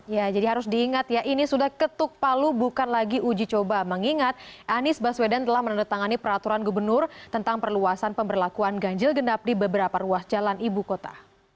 ya jadi harus diingat ya ini sudah ketuk palu bukan lagi uji coba mengingat anies baswedan telah menandatangani peraturan gubernur tentang perluasan pemberlakuan ganjil genap di beberapa ruas jalan ibu kota